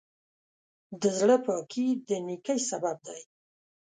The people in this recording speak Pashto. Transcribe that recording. د زړۀ پاکي د نیکۍ سبب دی.